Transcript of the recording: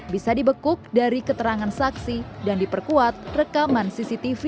bisa dibekuk dari keterangan saksi dan diperkuat rekaman cctv